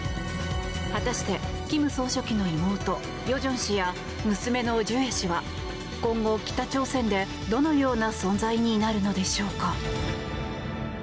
果たして金総書記の妹・与正氏や娘のジュエ氏は今後、北朝鮮でどのような存在になるのでしょうか。